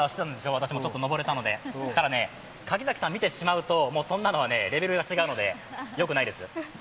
私も登れたので、ただ、柿崎さん見てしまうと、そんなのはレベルが違うので、よくないです。